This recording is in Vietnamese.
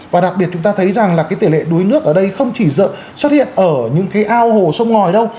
và đặc biệt chúng ta thấy rằng là cái tỷ lệ đuối nước ở đây không chỉ xuất hiện ở những cái ao hồ sông ngòi đâu